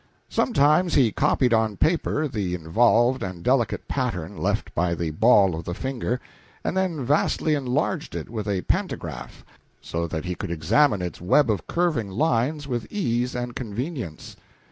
Sometimes he copied on paper the involved and delicate pattern left by the ball of a finger, and then vastly enlarged it with a pantograph so that he could examine its web of curving lines with ease and convenience.